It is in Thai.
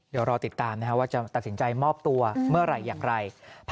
เดี๋ยวรอติดตามว่าจะตัดสินใจมอบตัวเมื่อไหร่อย่างไร